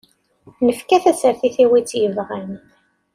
Nefka tasertit i win i tt-yebɣan.